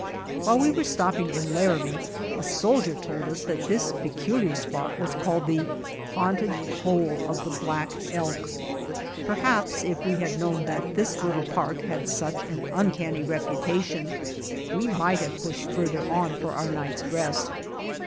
While we were stopping in Laramie, a soldier told us that this peculiar spot was called the "Haunted Hole of the Black Elk." Perhaps if \m had knoAvn that this little park had such an uncanny reputation, we might have pushed farther on for our night's rest.